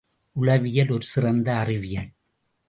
உளவியல் ஒரு சிறந்த அறிவியல்.